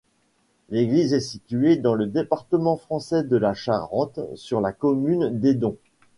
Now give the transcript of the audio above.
L'église est située dans le département français de la Charente, sur la commune d'Édon.